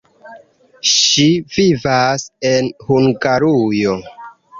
Ŝi vivas en Hungarujo.